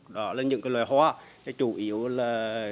đó là những loài hoa chủ yếu là